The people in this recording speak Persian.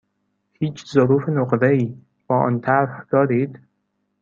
هیچ ظروف نقره ای با آن طرح دارید؟